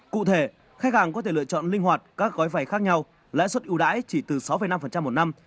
cụ thể khách hàng có thể lựa chọn linh hoạt các gói vay khác nhau lãi suất ưu đãi chỉ từ sáu năm một năm